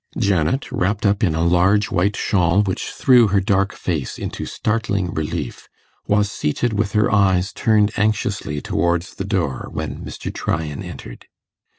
Janet, wrapped up in a large white shawl which threw her dark face into startling relief, was seated with her eyes turned anxiously towards the door when Mr. Tryan entered.